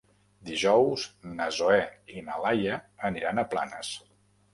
Dijous na Zoè i na Laia aniran a Planes.